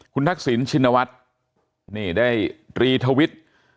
คุณทักษิณชินวัฒน์นี่ได้ตรีทวิต